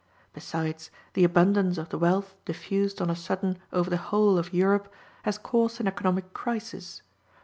Besides, the abundance of the wealth diffused on a sudden over the whole of Europe has caused an economic crisis.